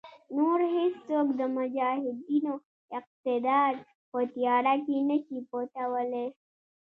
نور هېڅوک د مجاهدینو اقتدار په تیاره کې نشي پټولای.